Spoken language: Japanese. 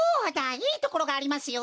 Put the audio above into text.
いいところがありますよ。